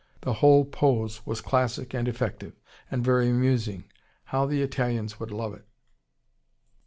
The whole pose was classic and effective: and very amusing. How the Italians would love it!